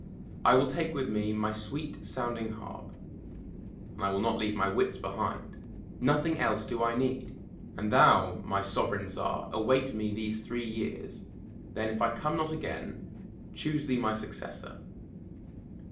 I will take with me my sweet sounding harp, and I will not leave my wits behind. Nothing else do I need. And thoUj my Sovereign Tsar, await me these three years, then if I come not again, choose thee my successor."